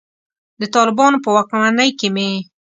د طالبانو په واکمنۍ کې مې.